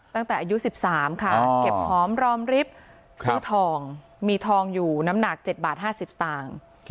ตั้งแต่อายุ๑๓ค่ะเก็บหอมรอมริฟท์ซื้อทองมีทองอยู่น้ำหนัก๗บาท๕๐สตางค์